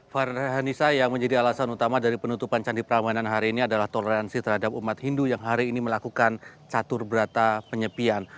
farhanisa yang menjadi alasan utama dari penutupan candi prambanan hari ini adalah toleransi terhadap umat hindu yang hari ini melakukan catur berata penyepian